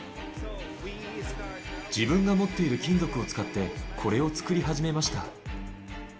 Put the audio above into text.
自分が持っている金属を使って、これを作り始めました。